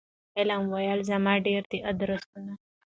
علم وویل زما ډیر دي آدرسونه